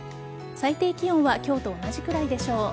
最低気温は今日と同じくらいでしょう。